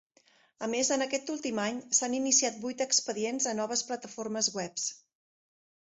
A més en aquest últim any s'han iniciat vuit expedients a noves plataformes webs.